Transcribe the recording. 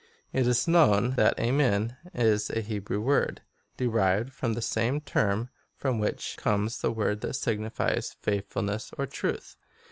^ It is known, that Aw, en is a Hebrew word, derived from the same term from which comes the word that signifies faithfulness or truth.